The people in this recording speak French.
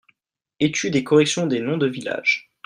Etude et correction des noms de villages.